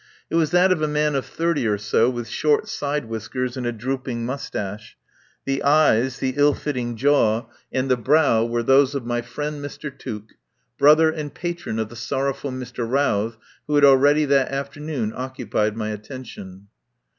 It was that of a man of thirty or so, with short side whiskers and a drooping moustache. The eyes, the ill fitting jaw, and IOI THE POWER HOUSE the brow were those of my friend, Mr. Tuke, brother and patron of the sorrowful Mr. Routh, who had already that afternoon occu pied my attention.